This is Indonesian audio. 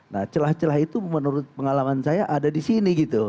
nah celah celah itu menurut pengalaman saya ada di sini gitu